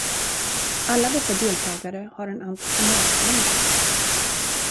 Alla dessa deltagare har en entreprenörsanda.